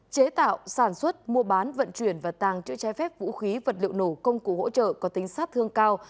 chế tạo sản xuất mua bán vận chuyển và tàng trữ trái phép vũ khí vật liệu nổ công cụ hỗ trợ có tính sát thương cao